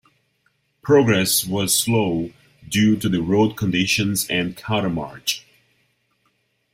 Progress was slow due to the road conditions and countermarch.